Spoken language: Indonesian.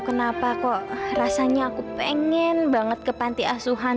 kenapa kok rasanya aku pengen banget ke panti asuhan